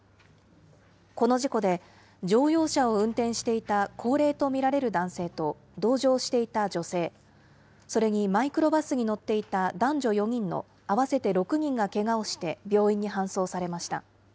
この事故で、乗用車を運転していた高齢と見られる男性と同乗していた女性、それにマイクロバスに乗っていた男女４人の合わせて６人がけがをして、病院に搬送されました。